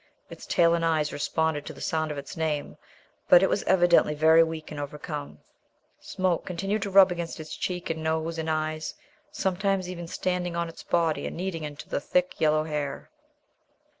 Its tail and eyes responded to the sound of its name, but it was evidently very weak and overcome. Smoke continued to rub against its cheek and nose and eyes, sometimes even standing on its body and kneading into the thick yellow hair.